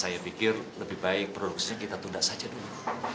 saya pikir lebih baik produksinya kita tunda saja dulu